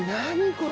これ。